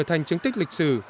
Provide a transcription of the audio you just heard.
trở thành chứng tích lịch sử